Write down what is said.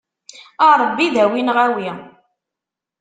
A Ṛebbi, dawi neɣ awi!